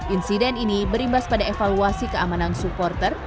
insiden ini berimbas pada evaluasi keamanan supporter